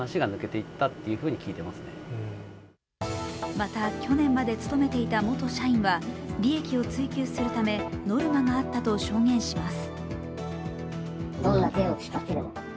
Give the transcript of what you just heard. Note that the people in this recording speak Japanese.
また、去年まで務めていた元社員は利益を追求するためノルマがあったと証言します。